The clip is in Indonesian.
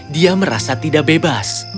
dia merasa tidak bebas